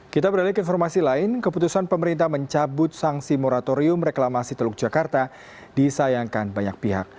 kita beralih ke informasi lain keputusan pemerintah mencabut sanksi moratorium reklamasi teluk jakarta disayangkan banyak pihak